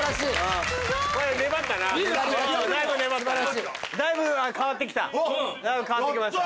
すごい。だいぶ変わってきました。